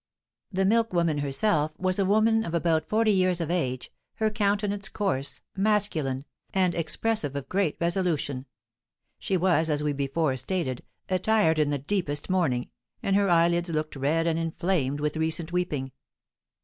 The milk woman herself was a woman of about forty years of age, her countenance coarse, masculine, and expressive of great resolution. She was, as we before stated, attired in the deepest mourning, and her eyelids looked red and inflamed with recent weeping.